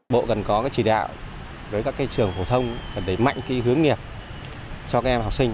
bộ cần có trì đạo đối với các trường phổ thông để mạnh hướng nghiệp cho các em học sinh